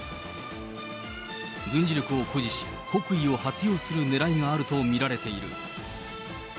軍事力を誇示し、国威を発揚するねらいがあると見られている。